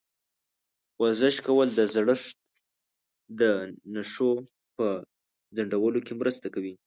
ورزش کول د زړښت د نښو په ځنډولو کې مرسته کوي.